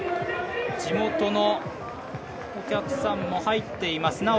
地元のお客さんも入っています。